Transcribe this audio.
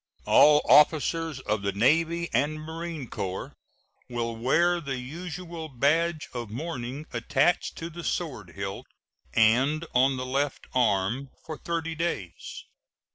All officers of the Navy and Marine Corps will wear the usual badge of mourning attached to the sword hilt and on the left arm for thirty days.